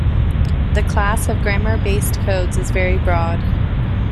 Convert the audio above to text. The class of grammar-based codes is very broad.